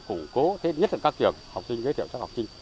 củng cố nhất là các trường học sinh giới thiệu cho các học sinh